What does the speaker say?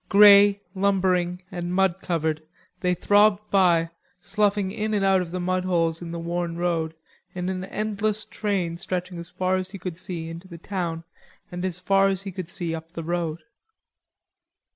Grey, lumbering, and mud covered, they throbbed by sloughing in and out of the mud holes in the worn road in an endless train stretching as far as he could see into the town and as far as he could see up the road.